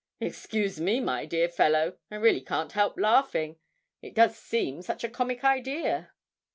Excuse me, my dear fellow, I really can't help laughing it does seem such a comic idea.'